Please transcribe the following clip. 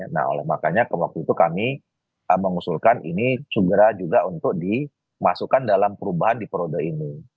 nah oleh makanya waktu itu kami mengusulkan ini segera juga untuk dimasukkan dalam perubahan di periode ini